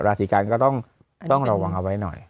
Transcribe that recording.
ราศีกันก็ต้องระวังเอาไว้หน่อย